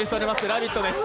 「ラヴィット！」です。